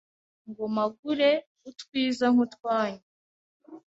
Ngo mpagure utwiza nk'utwanyu